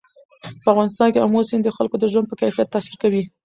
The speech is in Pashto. په افغانستان کې آمو سیند د خلکو د ژوند په کیفیت تاثیر کوي.